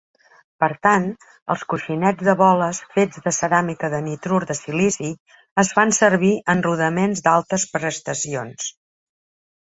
Per tant, els coixinets de boles fets de ceràmica de nitrur de silici es fan servir en rodaments d'altes prestacions.